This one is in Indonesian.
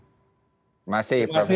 terima kasih pak prof yudi